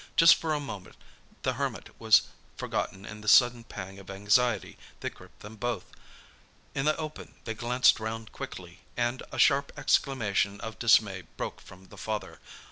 Just for a moment the Hermit was forgotten in the sudden pang of anxiety that gripped them both. In the open they glanced round quickly, and a sharp exclamation of dismay broke from the father.